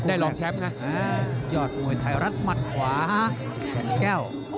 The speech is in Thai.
รองแชมป์นะยอดมวยไทยรัฐมัดขวาแข็งแก้ว